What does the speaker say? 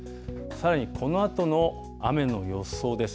さらにこのあとの雨の予想です。